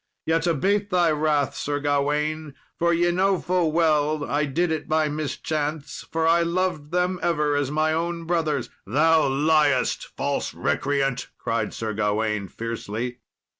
Yet abate thy wrath, Sir Gawain, for ye know full well I did it by mischance, for I loved them ever as my own brothers." "Thou liest, false recreant," cried Sir Gawain, fiercely.